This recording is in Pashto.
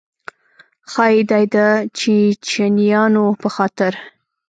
ښایي دا یې د چیچنیایانو په خاطر.